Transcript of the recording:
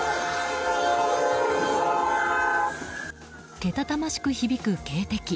けたたましく響く警笛。